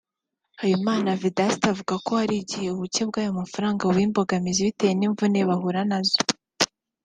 Habimana Vedaste avuga ko hari igihe ubuke bw’aya mafaranga buba imbogamizi bitewe n’imvune bahura na zo